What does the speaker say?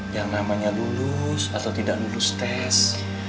yang namanya lulus atau tidak lulus tes